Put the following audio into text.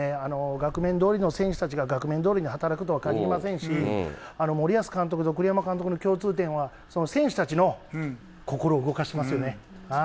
額面どおりの選手たちが額面どおりに働くとは限りませんし、森保監督と栗山監督の共通点は、選手たちの心を動かしますよね。